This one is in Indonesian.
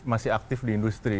masih aktif di industri